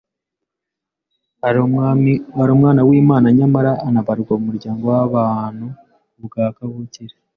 ari Umwana w’Imana nyamara anabarwa mu muryango w’abantu ku bwa kavukire.